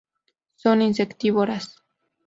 Son insectívoras.